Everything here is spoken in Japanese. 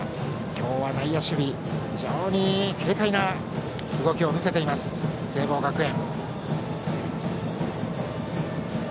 今日は内野守備、非常に軽快な動きを見せています、聖望学園。